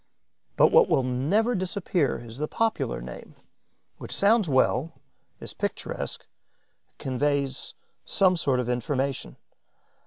But what will never disappear is the popular name, which sounds well, is picturesque and conveys some sort of information.